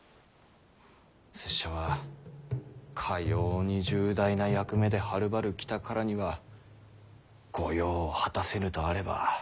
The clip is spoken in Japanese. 拙者はかように重大な役目ではるばる来たからには御用を果たせぬとあれば生きては戻れぬ。